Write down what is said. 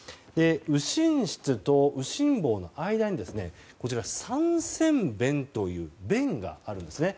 右心室と右心房の間に三尖弁という弁があるんですね。